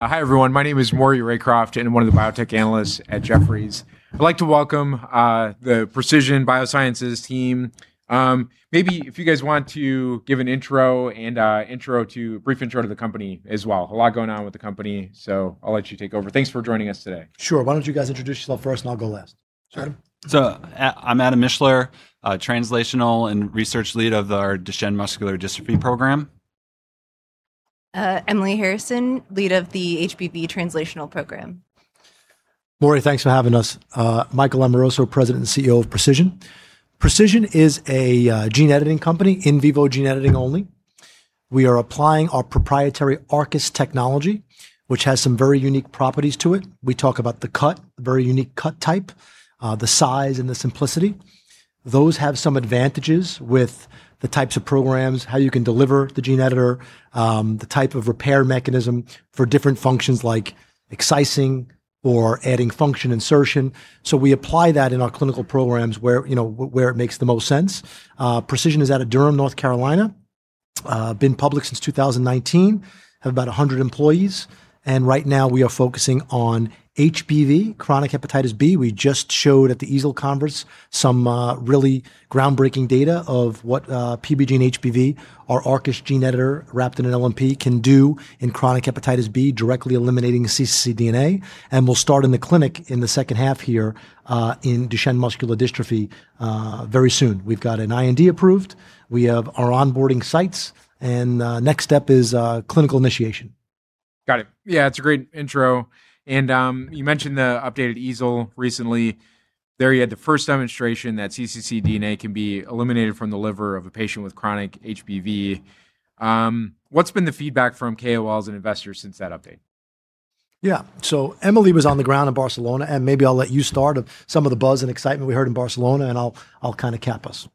Hi, everyone. My name is Maury Raycroft, I'm one of the biotech analysts at Jefferies. I'd like to welcome the Precision BioSciences team. Maybe if you guys want to give an intro and a brief intro to the company as well. A lot going on with the company, I'll let you take over. Thanks for joining us today. Sure. Why don't you guys introduce yourself first and I'll go last. Adam? Sure. I'm Adam Mischler, Translational and Research Lead of our Duchenne Muscular Dystrophy Program. Emily Harrison, Lead of the HBV Translational program. Maury, thanks for having us. Michael Amoroso, President and CEO of Precision. Precision is a gene-editing company, in vivo gene editing only. We are applying our proprietary ARCUS technology, which has some very unique properties to it. We talk about the cut, the very unique cut type, the size, and the simplicity. Those have some advantages with the types of programs, how you can deliver the gene editor, the type of repair mechanism for different functions like excising or adding function insertion. We apply that in our clinical programs where it makes the most sense. Precision is out of Durham, North Carolina, been public since 2019, have about 100 employees, and right now we are focusing on HBV, chronic hepatitis B. We just showed at the EASL Congress some really groundbreaking data of what PBGENE-HBV, our ARCUS gene editor wrapped in an LNP can do in chronic hepatitis B, directly eliminating cccDNA. We'll start in the clinic in the second half here in Duchenne Muscular Dystrophy very soon. We've got an IND approved. We have our onboarding sites, Next step is clinical initiation. Got it. Yeah, it's a great intro. You mentioned the updated EASL recently. There you had the first demonstration that cccDNA can be eliminated from the liver of a patient with chronic HBV. What's been the feedback from KOLs and investors since that update? Yeah. Emily was on the ground in Barcelona, and maybe I'll let you start of some of the buzz and excitement we heard in Barcelona, and I'll kind of cap us.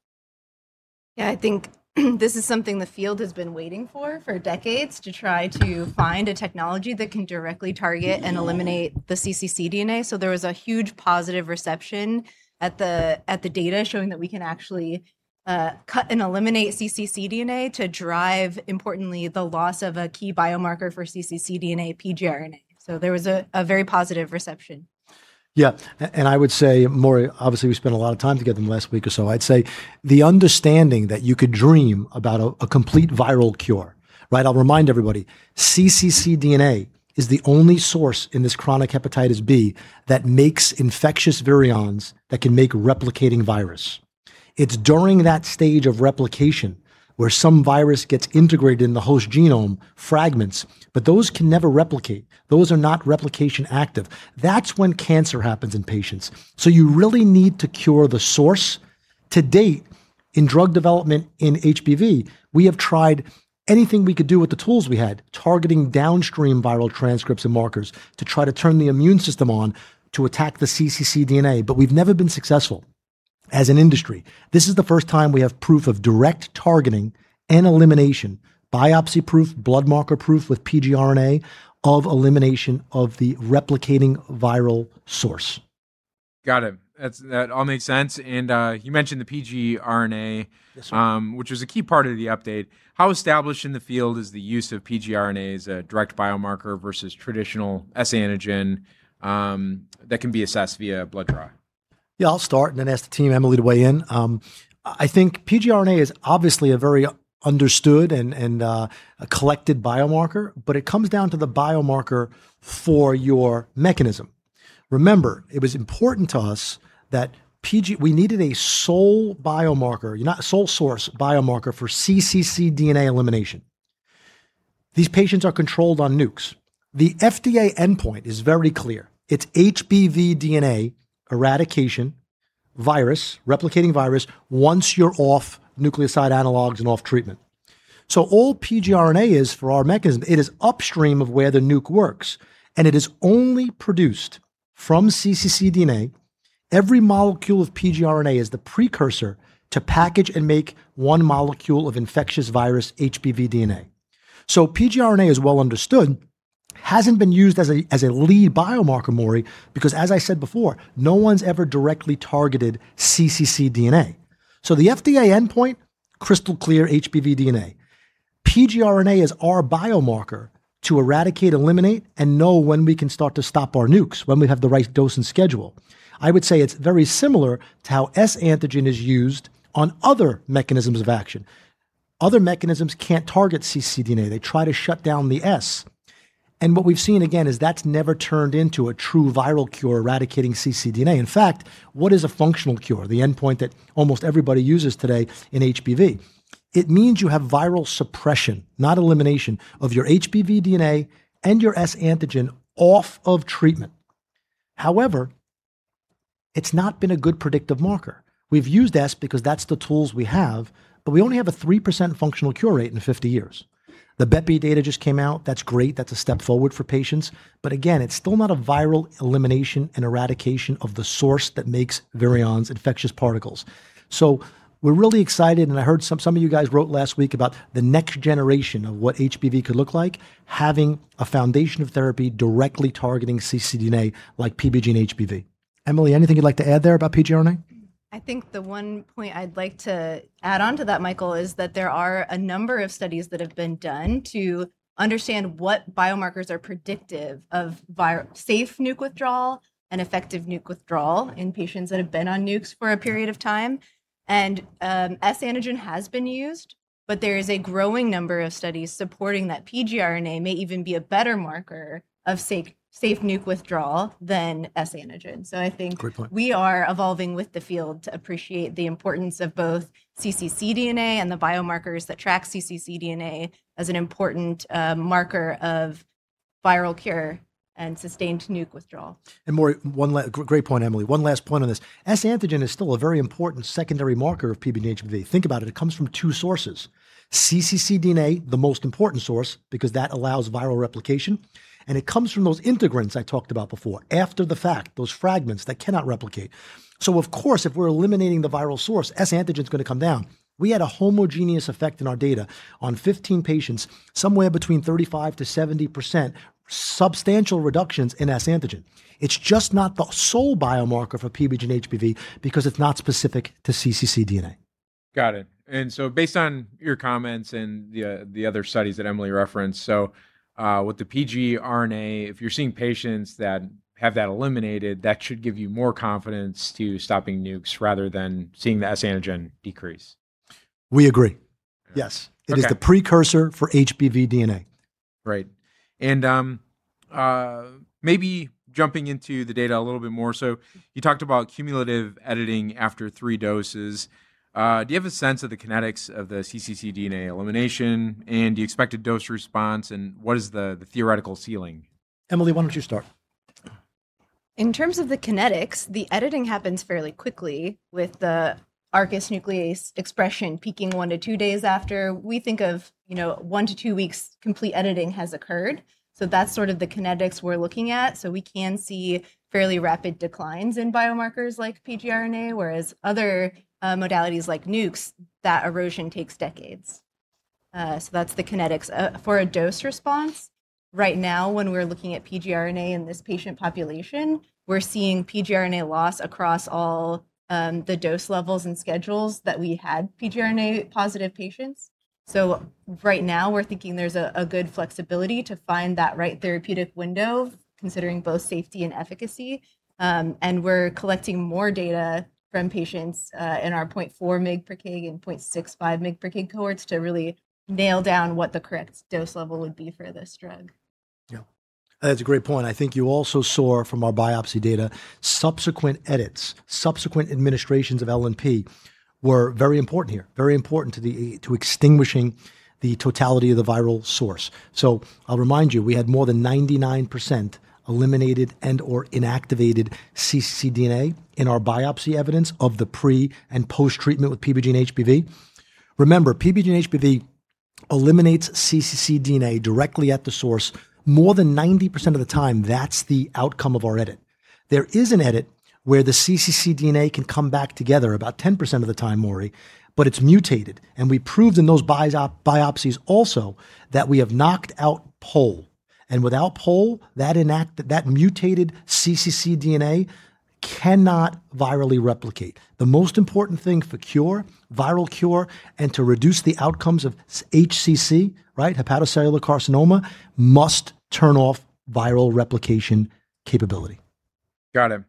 Yeah, I think this is something the field has been waiting for decades to try to find a technology that can directly target and eliminate the cccDNA. There was a huge positive reception at the data showing that we can actually cut and eliminate cccDNA to drive, importantly, the loss of a key biomarker for cccDNA, pgRNA. There was a very positive reception. Yeah. I would say, Maury, obviously, we spent a lot of time together in the last week or so. I'd say the understanding that you could dream about a complete viral cure, right? I'll remind everybody, cccDNA is the only source in this chronic hepatitis B that makes infectious virions that can make replicating virus. It's during that stage of replication where some virus gets integrated in the host genome fragments, but those can never replicate. Those are not replication active. That's when cancer happens in patients. You really need to cure the source. To date, in drug development in HBV, we have tried anything we could do with the tools we had, targeting downstream viral transcripts and markers to try to turn the immune system on to attack the cccDNA, but we've never been successful as an industry. This is the first time we have proof of direct targeting and elimination, biopsy-proof, blood marker proof with pgRNA of elimination of the replicating viral source. Got it. That all made sense. You mentioned the pgRNA which was a key part of the update. How established in the field is the use of pgRNA as a direct biomarker versus traditional S antigen that can be assessed via a blood draw? Yeah, I'll start and then ask the team, Emily, to weigh in. I think pgRNA is obviously a very understood and collected biomarker, but it comes down to the biomarker for your mechanism. Remember, it was important to us that we needed a sole biomarker, not sole source biomarker for cccDNA elimination. These patients are controlled on NUCs. The FDA endpoint is very clear. It's HBV DNA eradication, virus, replicating virus, once you're off nucleoside analogues and off treatment. All pgRNA is for our mechanism, it is upstream of where the NUC works, and it is only produced from cccDNA. Every molecule of pgRNA is the precursor to package and make one molecule of infectious virus HBV DNA. pgRNA is well understood, hasn't been used as a lead biomarker, Maury, because as I said before, no one's ever directly targeted cccDNA. The FDA endpoint, crystal clear HBV DNA. pgRNA is our biomarker to eradicate, eliminate, and know when we can start to stop our NUCs, when we have the right dose and schedule. I would say it's very similar to how S antigen is used on other mechanisms of action. Other mechanisms can't target cccDNA. They try to shut down the S. What we've seen again is that's never turned into a true viral cure eradicating cccDNA. In fact, what is a functional cure, the endpoint that almost everybody uses today in HBV? It means you have viral suppression, not elimination of your HBV DNA and your S antigen off of treatment. However, it's not been a good predictive marker. We've used S because that's the tools we have, but we only have a 3% functional cure rate in 50 years. The bepirovirsen data just came out. That's a step forward for patients. Again, it's still not a viral elimination and eradication of the source that makes virions infectious particles. We're really excited, and I heard some of you guys wrote last week about the next generation of what HBV could look like, having a foundation of therapy directly targeting cccDNA like PBGENE-HBV. Emily, anything you'd like to add there about pgRNA? I think the one point I'd like to add onto that, Michael, is that there are a number of studies that have been done to understand what biomarkers are predictive of safe nuke withdrawal and effective nuke withdrawal in patients that have been on NUCs for a period of time. S antigen has been used, but there is a growing number of studies supporting that pgRNA may even be a better marker of safe nuke withdrawal than S antigen. We are evolving with the field to appreciate the importance of both cccDNA and the biomarkers that track cccDNA as an important marker of viral cure and sustained NUC withdrawal. Great point, Emily. One last point on this. S antigen is still a very important secondary marker of PBGENE-HBV. Think about it comes from two sources, cccDNA, the most important source, because that allows viral replication, and it comes from those integrants I talked about before, after the fact, those fragments that cannot replicate. Of course, if we're eliminating the viral source, S antigen's going to come down. We had a homogeneous effect in our data on 15 patients, somewhere between 35%-70% substantial reductions in S antigen. It's just not the sole biomarker for PBGENE-HBV because it's not specific to cccDNA. Got it. Based on your comments and the other studies that Emily referenced, with the pgRNA, if you're seeing patients that have that eliminated, that should give you more confidence to stopping NUCs rather than seeing the S antigen decrease. We agree. Yes. Okay. It is the precursor for HBV DNA. Right. Maybe jumping into the data a little bit more, you talked about cumulative editing after three doses. Do you have a sense of the kinetics of the cccDNA elimination and the expected dose response? What is the theoretical ceiling? Emily, why don't you start? In terms of the kinetics, the editing happens fairly quickly with the ARCUS nuclease expression peaking one to two days after. We think of one to two weeks complete editing has occurred, so that's sort of the kinetics we're looking at. We can see fairly rapid declines in biomarkers like pgRNA, whereas other modalities like NUCs, that erosion takes decades. That's the kinetics. For a dose response, right now, when we're looking at pgRNA in this patient population, we're seeing pgRNA loss across all the dose levels and schedules that we had pgRNA positive patients. Right now we're thinking there's a good flexibility to find that right therapeutic window considering both safety and efficacy. We're collecting more data from patients in our .4 mg/kg and .65 mg/kg cohorts to really nail down what the correct dose level would be for this drug. Yeah. That's a great point. I think you also saw from our biopsy data subsequent edits, subsequent administrations of LNP were very important here, very important to extinguishing the totality of the viral source. I'll remind you, we had more than 99% eliminated and/or inactivated cccDNA in our biopsy evidence of the pre- and post-treatment with PBGENE-HBV. Remember, PBGENE-HBV eliminates cccDNA directly at the source more than 90% of the time. That's the outcome of our edit. There is an edit where the cccDNA can come back together about 10% of the time, Maury, it's mutated, and we proved in those biopsies also that we have knocked out pol. Without pol, that mutated cccDNA cannot virally replicate. The most important thing for cure, viral cure, and to reduce the outcomes of HCC, right, hepatocellular carcinoma, must turn off viral replication capability. Got it.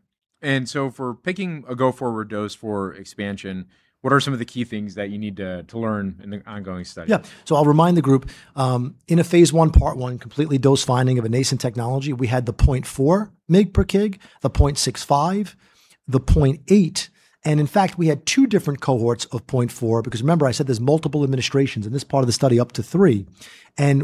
For picking a go forward dose for expansion, what are some of the key things that you need to learn in the ongoing study? I'll remind the group, in a phase I, part 1, completely dose finding of a nascent technology, we had the 0.4 mg/kg, the 0.65 mg/kg, the 0.8 mg/kg, in fact we had two different cohorts of 0.4 mg/kg because remember I said there's multiple administrations in this part of the study, up to three.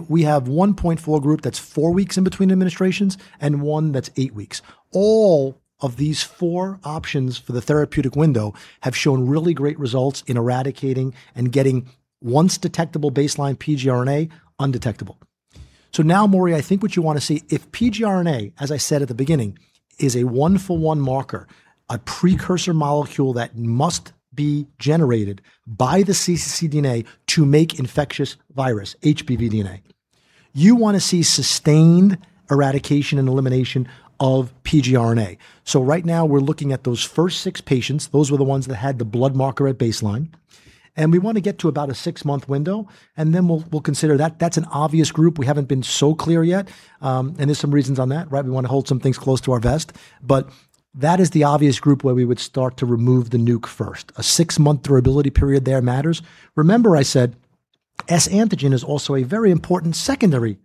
We have one 0.4 mg/kg group that's four weeks in between administrations and one that's eight weeks. All of these four options for the therapeutic window have shown really great results in eradicating and getting once detectable baseline pgRNA undetectable. Now, Maury, I think what you want to see, if pgRNA, as I said at the beginning, is a 1/1 marker, a precursor molecule that must be generated by the cccDNA to make infectious virus HBV DNA. You want to see sustained eradication and elimination of pgRNA. Right now we're looking at those first six patients. Those were the ones that had the blood marker at baseline. We want to get to about a six-month window. Then we'll consider that. That's an obvious group. We haven't been so clear yet. There's some reasons on that, right? We want to hold some things close to our vest. That is the obvious group where we would start to remove the NUC first. A six-month durability period there matters. Remember I said S antigen is also a very important secondary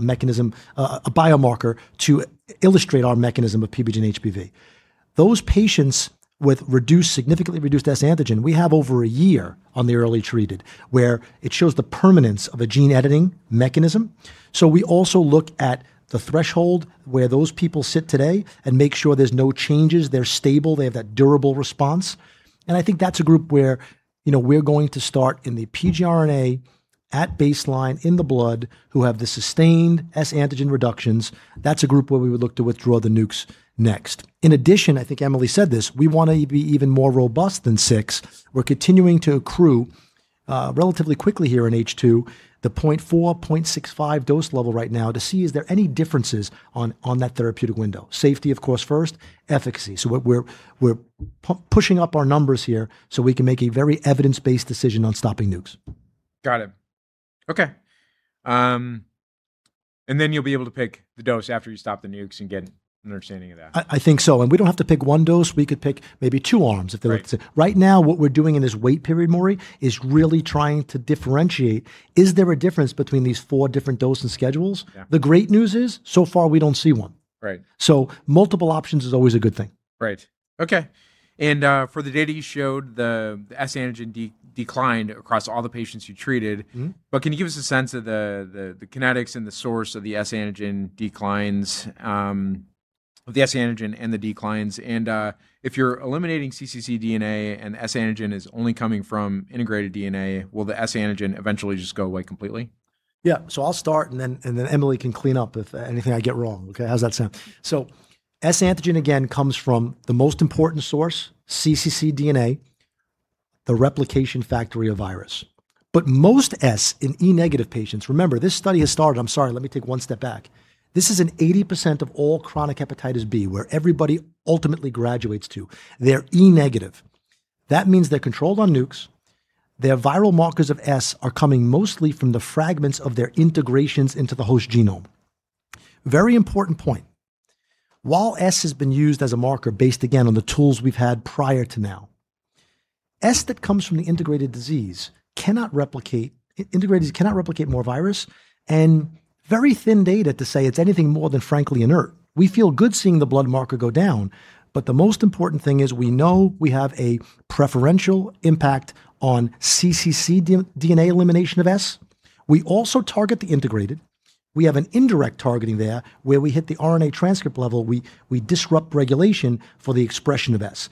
mechanism, a biomarker to illustrate our mechanism of PBGENE-HBV. Those patients with significantly reduced S antigen, we have over a year on the early treated where it shows the permanence of a gene-editing mechanism. We also look at the threshold where those people sit today and make sure there's no changes, they're stable, they have that durable response, and I think that's a group where we're going to start in the pgRNA at baseline in the blood who have the sustained S antigen reductions. That's a group where we would look to withdraw the NUCs next. In addition, I think Emily said this, we want to be even more robust than six. We're continuing to accrue relatively quickly here in H2, the 0.4 mg/kg, 0.65 mg/kg dose level right now to see is there any differences on that therapeutic window. Safety, of course, first, efficacy. We're pushing up our numbers here so we can make a very evidence-based decision on stopping NUCs. Got it. Okay. You'll be able to pick the dose after you stop the NUCs and get an understanding of that? I think so. We don't have to pick one dose. We could pick maybe two arms if they're- Right now what we're doing in this wait period, Maury, is really trying to differentiate, is there a difference between these four different dose and schedules? The great news is, so far, we don't see one. Multiple options is always a good thing. Right. Okay. For the data you showed, the S antigen declined across all the patients you treated. Can you give us a sense of the kinetics and the source of the S antigen and the declines, and if you're eliminating cccDNA and S antigen is only coming from integrated DNA, will the S antigen eventually just go away completely? Yeah. I'll start, and then Emily can clean up if anything I get wrong. Okay, how's that sound? S antigen, again, comes from the most important source, cccDNA, the replication factory of virus. Most S in E-negative patients, remember, I'm sorry, let me take one step back. This is in 80% of all chronic hepatitis B where everybody ultimately graduates to. They're E-negative. That means they're controlled on NUCs, their viral markers of S are coming mostly from the fragments of their integrations into the host genome. Very important point. While S has been used as a marker based again on the tools we've had prior to now, S that comes from the integrated disease cannot replicate more virus, and very thin data to say it's anything more than frankly inert. We feel good seeing the blood marker go down. The most important thing is we know we have a preferential impact on cccDNA elimination of S. We also target the integrated. We have an indirect targeting there where we hit the RNA transcript level. We disrupt regulation for the expression of S.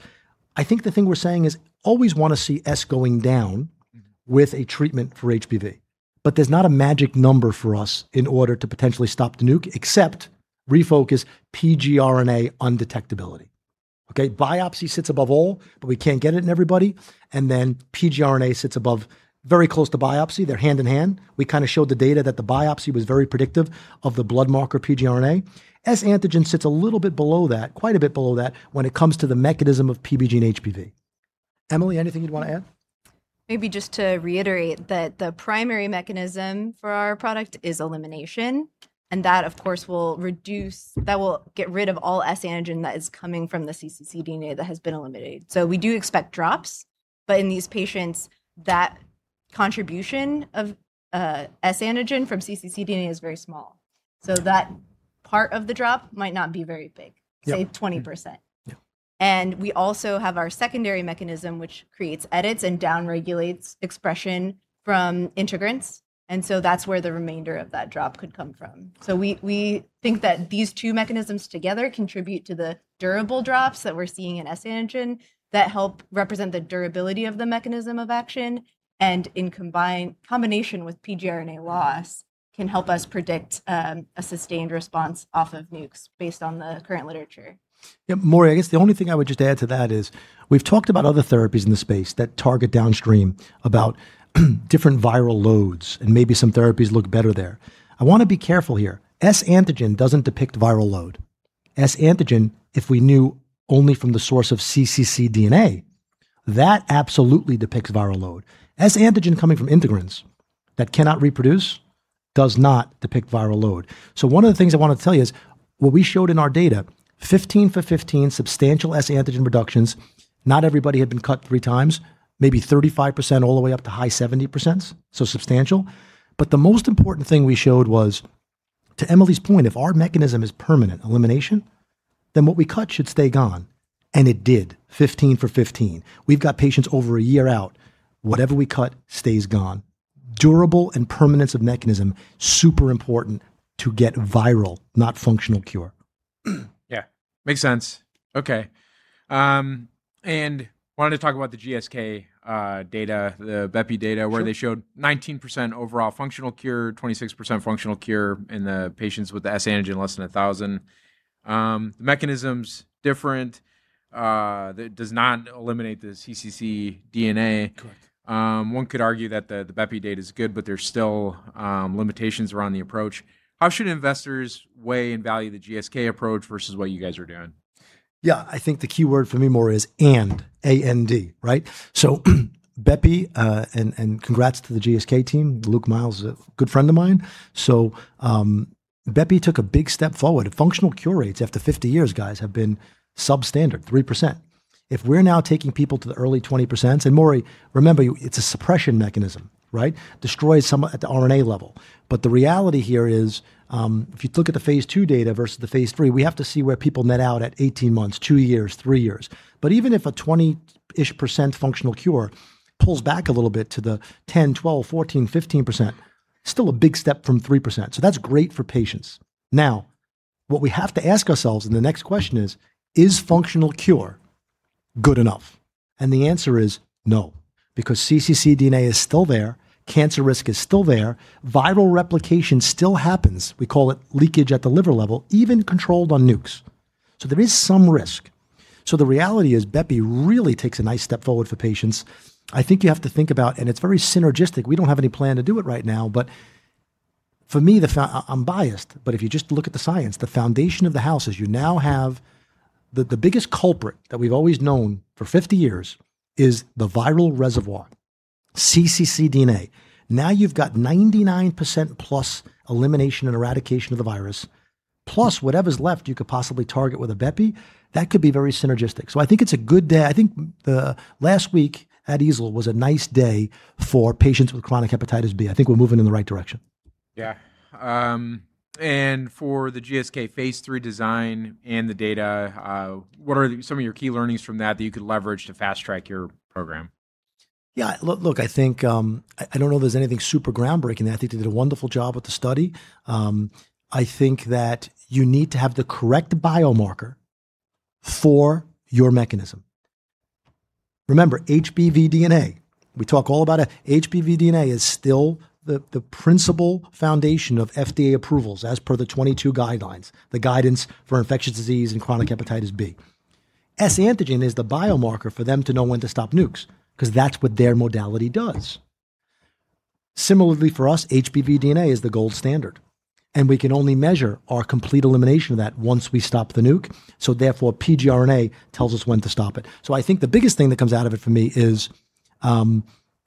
I think the thing we're saying is always want to see S going down with a treatment for HBV. There's not a magic number for us in order to potentially stop the NUC, except refocus pgRNA undetectability. Okay? Biopsy sits above all. We can't get it in everybody, and then pgRNA sits above very close to biopsy. They're hand-in-hand. We showed the data that the biopsy was very predictive of the blood marker pgRNA. S antigen sits a little bit below that, quite a bit below that, when it comes to the mechanism of PBGENE-HBV. Emily, anything you'd want to add? Maybe just to reiterate that the primary mechanism for our product is elimination, that of course will get rid of all S antigen that is coming from the cccDNA that has been eliminated. We do expect drops, but in these patients, that contribution of S antigen from cccDNA is very small. That part of the drop might not be very big. Say 20%. We also have our secondary mechanism, which creates edits and down-regulates expression from integrants. That's where the remainder of that drop could come from. We think that these two mechanisms together contribute to the durable drops that we're seeing in S antigen that help represent the durability of the mechanism of action, and in combination with pgRNA loss, can help us predict a sustained response off of NUCs based on the current literature. Yeah, Maury, I guess the only thing I would just add to that is we've talked about other therapies in the space that target downstream about different viral loads, and maybe some therapies look better there. I want to be careful here. S antigen doesn't depict viral load. S antigen, if we knew only from the source of cccDNA, that absolutely depicts viral load. S antigen coming from integrants that cannot reproduce does not depict viral load. One of the things I want to tell you is what we showed in our data, 15/15 substantial S antigen reductions, not everybody had been cut three times, maybe 35% all the way up to high 70%, so substantial. The most important thing we showed was, to Emily's point, if our mechanism is permanent elimination, then what we cut should stay gone, and it did, 15/15. We've got patients over a year out. Whatever we cut stays gone. Durable and permanence of mechanism, super important to get viral, not functional cure. Yeah. Makes sense. Okay. Wanted to talk about the GSK data, the bepirovirsen data where they showed 19% overall functional cure, 26% functional cure in the patients with the S antigen less than 1,000. The mechanism's different. That does not eliminate the cccDNA. One could argue that the bepirovirsen data is good, but there's still limitations around the approach. How should investors weigh and value the GSK approach versus what you guys are doing? Yeah, I think the key word for me, Maury, is and. A-N-D, right? Bepirovirsen, and congrats to the GSK team. Luke Miels, a good friend of mine. Bepirovirsen took a big step forward. Functional cure rates after 50 years, guys, have been substandard, 3%. If we're now taking people to the early 20%, and Maury, remember, it's a suppression mechanism, right? Destroys some at the RNA level. The reality here is if you look at the phase II data versus the phase III, we have to see where people net out at 18 months, two years, three years. Even if a 20-ish% functional cure pulls back a little bit to the 10%, 12%, 14%, 15%, still a big step from 3%. That's great for patients. What we have to ask ourselves, and the next question is functional cure good enough? The answer is no, because cccDNA is still there, cancer risk is still there, viral replication still happens, we call it leakage at the liver level, even controlled on NUCs. There is some risk. The reality is bepirovirsen really takes a nice step forward for patients. I think you have to think about, and it's very synergistic, we don't have any plan to do it right now, but for me, I'm biased, but if you just look at the science, the foundation of the house is you now have the biggest culprit that we've always known for 50 years is the viral reservoir, cccDNA. Now you've got 99%+ elimination and eradication of the virus, plus whatever's left you could possibly target with a bepirovirsen. That could be very synergistic. I think it's a good day. I think last week at EASL was a nice day for patients with chronic hepatitis B. I think we're moving in the right direction. Yeah. For the GSK phase III design and the data, what are some of your key learnings from that that you could leverage to fast-track your program? I don't know if there's anything super groundbreaking there. I think they did a wonderful job with the study. I think that you need to have the correct biomarker for your mechanism. Remember, HBV DNA, we talk all about it, HBV DNA is still the principal foundation of FDA approvals as per the 2022 guidelines, the guidance for infectious disease and chronic hepatitis B. S antigen is the biomarker for them to know when to stop NUCs because that's what their modality does. Similarly, for us, HBV DNA is the gold standard, and we can only measure our complete elimination of that once we stop the NUC. Therefore, pgRNA tells us when to stop it. I think the biggest thing that comes out of it for me is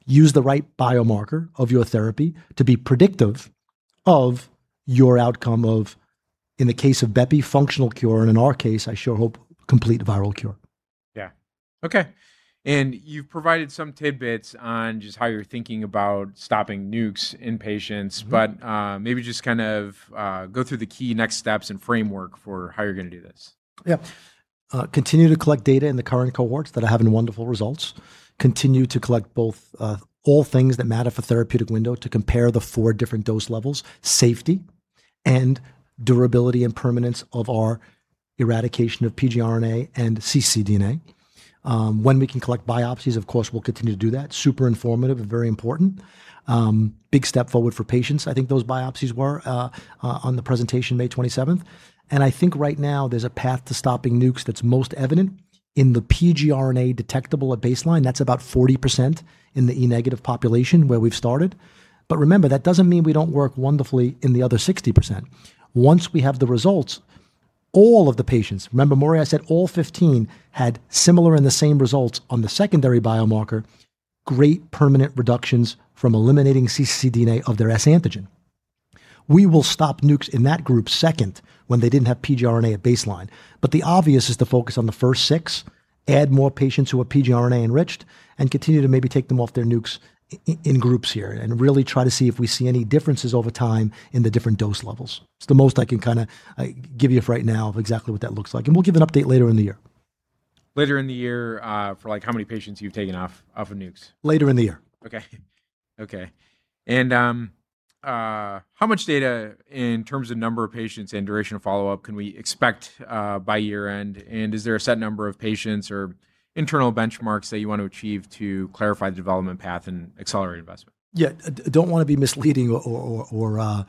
use the right biomarker of your therapy to be predictive of your outcome of, in the case of bepirovirsen, functional cure, and in our case, I sure hope complete viral cure. Okay. You've provided some tidbits on just how you're thinking about stopping NUCs in patients. Maybe just go through the key next steps and framework for how you're going to do this? Yeah. Continue to collect data in the current cohorts that are having wonderful results. Continue to collect all things that matter for therapeutic window to compare the four different dose levels, safety, and durability and permanence of our eradication of pgRNA and cccDNA. When we can collect biopsies, of course, we'll continue to do that. Super informative and very important. Big step forward for patients, I think those biopsies were on the presentation May 27th. I think right now there's a path to stopping NUCs that's most evident in the pgRNA detectable at baseline. That's about 40% in the E-negative population where we've started. Remember, that doesn't mean we don't work wonderfully in the other 60%. Once we have the results, all of the patients, remember, Maury, I said all 15 had similar and the same results on the secondary biomarker, great permanent reductions from eliminating cccDNA of their S antigen. We will stop NUCs in that group second when they didn't have pgRNA at baseline. The obvious is to focus on the first six, add more patients who are pgRNA enriched, and continue to maybe take them off their NUCs in groups here and really try to see if we see any differences over time in the different dose levels. It's the most I can give you right now of exactly what that looks like. We'll give an update later in the year. Later in the year for how many patients you've taken off of NUCs? Later in the year. Okay. How much data in terms of number of patients and duration of follow-up can we expect by year-end? Is there a set number of patients or internal benchmarks that you want to achieve to clarify the development path and accelerate investment? Yeah. I don't want to be misleading or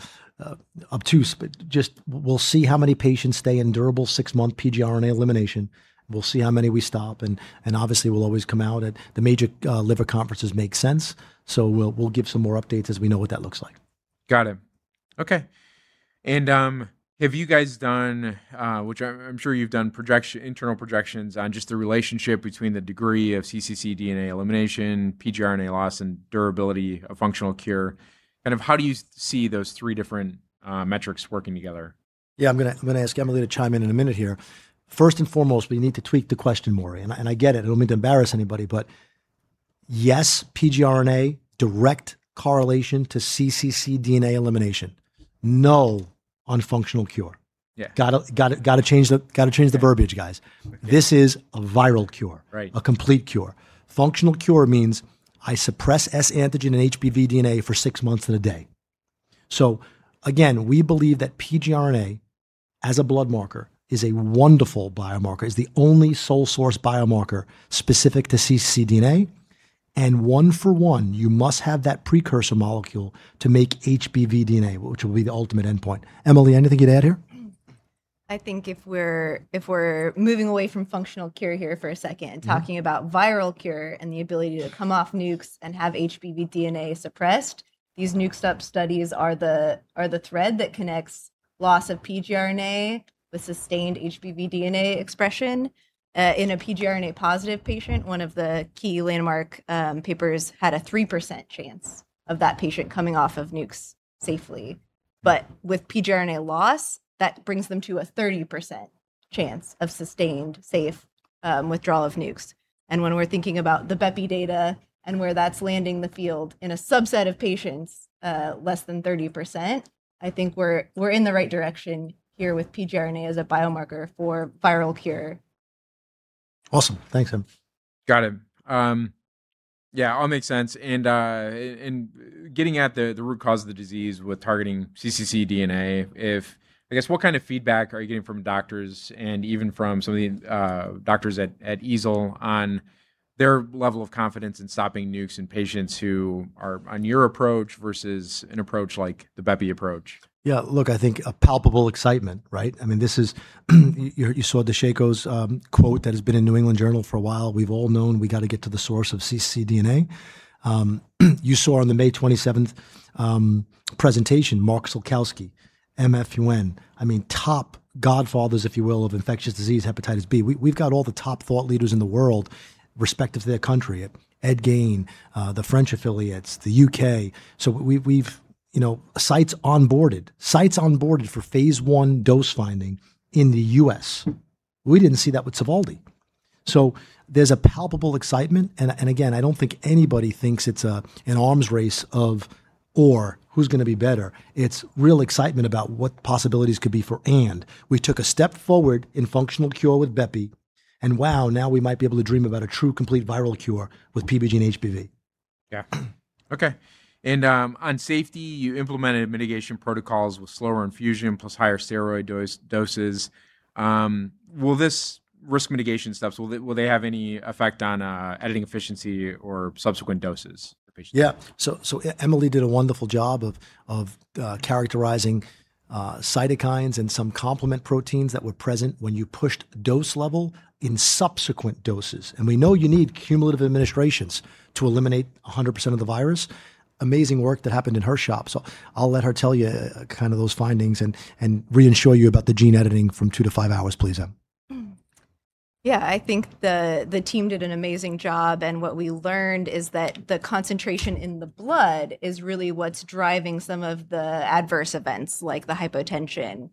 obtuse, but just we'll see how many patients stay in durable six-month pgRNA elimination. We'll see how many we stop. Obviously, we'll always come out at the major liver conferences make sense. We'll give some more updates as we know what that looks like. Got it. Okay. Have you guys done, which I'm sure you've done internal projections on just the relationship between the degree of cccDNA elimination, pgRNA loss, and durability of functional cure? How do you see those three different metrics working together? Yeah. I'm going to ask Emily to chime in in a minute here. First and foremost, we need to tweak the question, Maury. I get it. I don't mean to embarrass anybody, but yes, pgRNA, direct correlation to cccDNA elimination. No on functional cure. Got to change the verbiage, guys. This is a viral cure. A complete cure. Functional cure means I suppress S antigen and HBV DNA for six months and a day. Again, we believe that pgRNA as a blood marker is a wonderful biomarker, is the only sole source biomarker specific to cccDNA. One for one, you must have that precursor molecule to make HBV DNA, which will be the ultimate endpoint. Emily, anything you'd add here? I think if we're moving away from functional cure here for a second and talking about viral cure and the ability to come off NUCs and have HBV DNA suppressed, these NUC stop studies are the thread that connects loss of pgRNA with sustained HBV DNA expression. In a pgRNA positive patient, one of the key landmark papers had a 3% chance of that patient coming off of NUCs safely. With pgRNA loss, that brings them to a 30% chance of sustained safe withdrawal of NUCs. When we're thinking about the bepirovirsen data and where that's landing the field in a subset of patients, less than 30%, I think we're in the right direction here with pgRNA as a biomarker for viral cure. Awesome. Thanks, Emily. Got it. Yeah, all makes sense. Getting at the root cause of the disease with targeting cccDNA, I guess, what kind of feedback are you getting from doctors and even from some of the doctors at EASL on their level of confidence in stopping NUCs in patients who are on your approach versus an approach like the bepirovirsen approach? Yeah, look, I think a palpable excitement, right? You saw the [Journal's] quote that has been in New England Journal for a while. We've all known we got to get to the source of cccDNA. You saw on the May 27th presentation, Mark Sulkowski, [M.F. Yuen]. Top godfathers, if you will, of infectious disease, hepatitis B. We've got all the top thought leaders in the world respective to their country. Ed Gane, the French affiliates, the U.K. We've sites onboarded. Sites onboarded for phase I dose-finding in the U.S. We didn't see that with Sovaldi. There's a palpable excitement, and again, I don't think anybody thinks it's an arms race or who's going to be better. It's real excitement about what possibilities could be for IND. We took a step forward in functional cure with BEPI, and wow, now we might be able to dream about a true complete viral cure with PBGENE-HBV and HBV. Yeah. Okay. On safety, you implemented mitigation protocols with slower infusion plus higher steroid doses. Will these risk mitigation steps have any effect on editing efficiency or subsequent doses for patients? Yeah. Emily did a wonderful job of characterizing cytokines and some complement proteins that were present when you pushed dose level in subsequent doses. We know you need cumulative administrations to eliminate 100% of the virus. Amazing work that happened in her shop. I'll let her tell you kind of those findings and reassure you about the gene editing from two to five hours, please, Emily. Yeah, I think the team did an amazing job. What we learned is that the concentration in the blood is really what's driving some of the adverse events like the hypotension.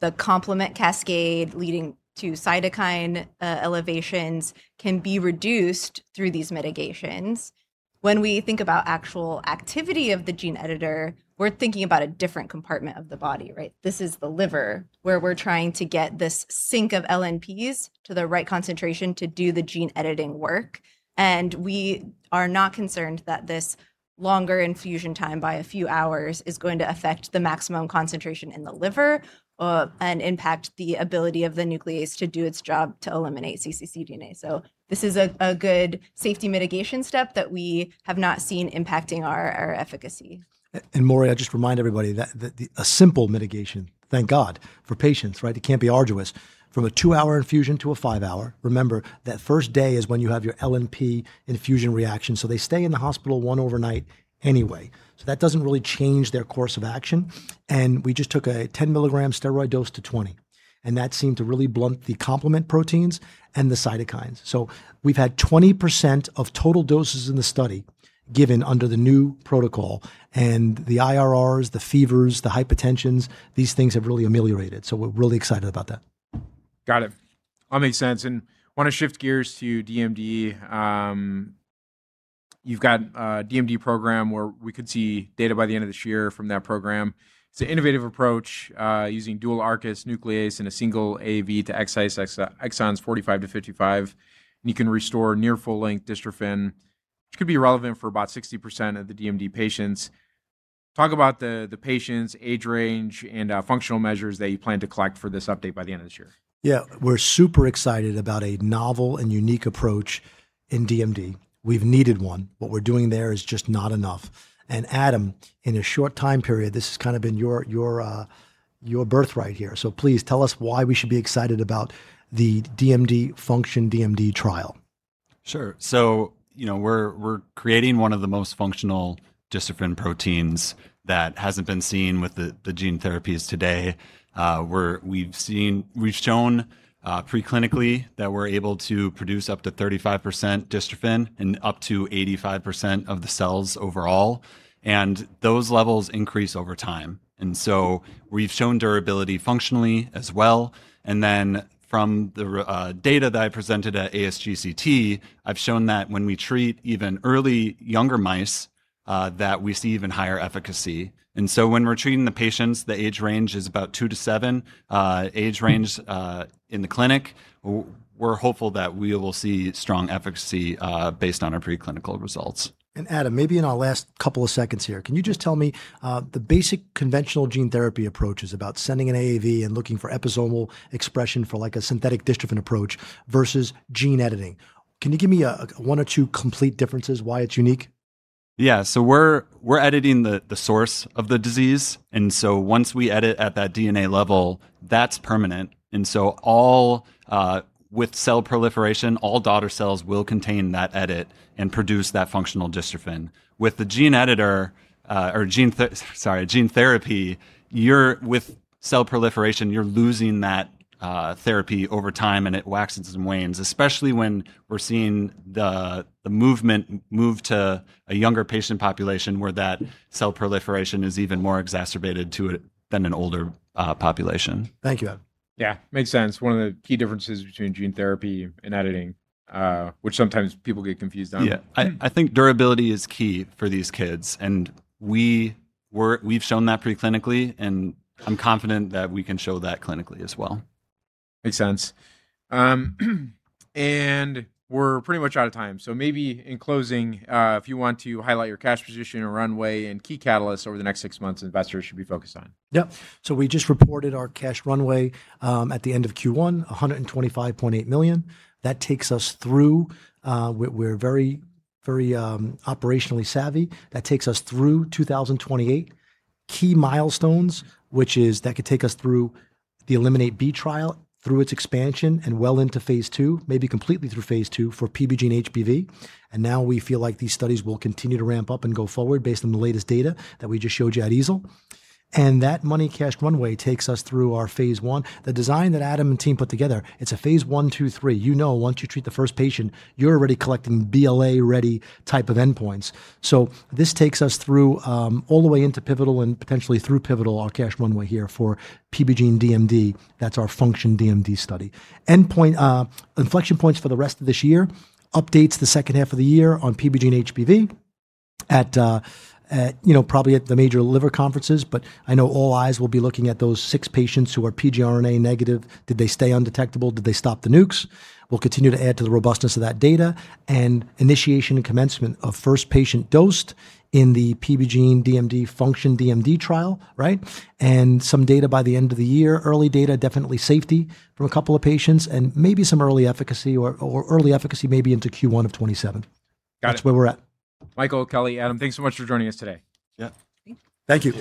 The complement cascade leading to cytokine elevations can be reduced through these mitigations. When we think about actual activity of the gene editor, we're thinking about a different compartment of the body, right? This is the liver where we're trying to get this sync of LNPs to the right concentration to do the gene editing work. We are not concerned that this longer infusion time by a few hours is going to affect the maximum concentration in the liver and impact the ability of the nuclease to do its job to eliminate cccDNA. This is a good safety mitigation step that we have not seen impacting our efficacy. Maury, I just remind everybody that a simple mitigation, thank God, for patients, right? It can't be arduous. From a two-hour infusion to a five-hour, remember, that first day is when you have your LNP infusion reaction. They stay in the hospital one overnight anyway. That doesn't really change their course of action. We just took a 10 mg steroid dose to 20 mg, and that seemed to really blunt the complement proteins and the cytokines. We've had 20% of total doses in the study given under the new protocol, and the IRRs, the fevers, the hypotensions, these things have really ameliorated. We're really excited about that. Got it. All makes sense. Want to shift gears to DMD. You've got a DMD program where we could see data by the end of this year from that program. It's an innovative approach, using dual ARCUS nuclease and a single AAV to excise exons 45-55, and you can restore near full length dystrophin, which could be relevant for about 60% of the DMD patients. Talk about the patients, age range, and functional measures that you plan to collect for this update by the end of this year. Yeah. We're super excited about a novel and unique approach in DMD. We've needed one. What we're doing there is just not enough. Adam, in a short time period, this has kind of been your birth right here. Please tell us why we should be excited about the DMD FUNCTION-DMD trial. Sure. We're creating one of the most functional dystrophin proteins that hasn't been seen with the gene therapies today. We've shown pre-clinically that we're able to produce up to 35% dystrophin in up to 85% of the cells overall, and those levels increase over time. We've shown durability functionally as well, and then from the data that I presented at ASGCT, I've shown that when we treat even early younger mice, that we see even higher efficacy. When we're treating the patients, the age range is about two to seven in the clinic. We're hopeful that we will see strong efficacy based on our pre-clinical results. Adam, maybe in our last couple of seconds here, can you just tell me, the basic conventional gene therapy approach is about sending an AAV and looking for episomal expression for like a synthetic dystrophin approach versus gene editing. Can you give me one or two complete differences why it's unique? Yeah. We're editing the source of the disease, once we edit at that DNA level, that's permanent. All with cell proliferation, all daughter cells will contain that edit and produce that functional dystrophin. With gene therapy, with cell proliferation, you're losing that therapy over time, and it waxes and wanes, especially when we're seeing the movement move to a younger patient population where that cell proliferation is even more exacerbated to it than an older population. Thank you, Adam. Yeah. Makes sense. One of the key differences between gene therapy and editing, which sometimes people get confused on. I think durability is key for these kids, and we've shown that pre-clinically, and I'm confident that we can show that clinically as well. Makes sense. We're pretty much out of time. Maybe in closing, if you want to highlight your cash position or runway and key catalysts over the next six months investors should be focused on. Yep. We just reported our cash runway at the end of Q1, $125.8 million. That takes us through. We're very operationally savvy. That takes us through 2028. Key milestones, which is that could take us through the ELIMINATE-B trial, through its expansion, and well into phase II, maybe completely through phase II for PBGENE-HBV. Now we feel like these studies will continue to ramp up and go forward based on the latest data that we just showed you at EASL. That money cash runway takes us through our phase I. The design that Adam and team put together, it's a phase I, II, III. You know once you treat the first patient, you're already collecting BLA-ready type of endpoints. This takes us through all the way into pivotal and potentially through pivotal our cash runway here for PBGENE-DMD. That's our FUNCTION-DMD study. Inflection points for the rest of this year, updates the second half of the year on PBGENE-HBV at probably at the major liver conferences. I know all eyes will be looking at those six patients who are pgRNA negative. Did they stay undetectable? Did they stop the NUCs? We'll continue to add to the robustness of that data. Initiation and commencement of first patient dosed in the PBGENE-DMD FUNCTION-DMD trial. Some data by the end of the year. Early data, definitely safety from a couple of patients, maybe some early efficacy or early efficacy maybe into Q1 of 2027. Got it. That's where we're at. Michael, Emily, Adam, thanks so much for joining us today. Yeah. Thank you. Thank you.